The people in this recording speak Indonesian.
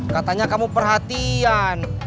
katanya kamu perhatian